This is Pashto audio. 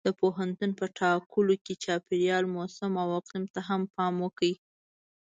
د پوهنتون په ټاکلو کې چاپېریال، موسم او اقلیم ته هم پام وکړئ.